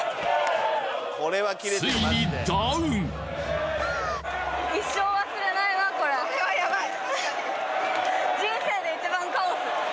ついにこれはこれはヤバい